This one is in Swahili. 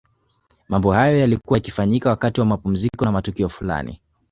Mambo hayo yalikuwa yakifanyika wakati wa mapumziko na matukio fulani